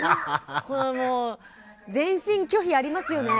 このもう全身拒否ありますよね。